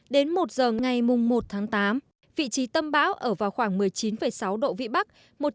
đến một giờ ngày một tháng tám vị trí tâm bão ở vào khoảng một mươi chín sáu độ vĩ bắc